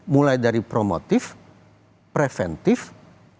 mulai dari promotif preventif kuratif dan kesehatan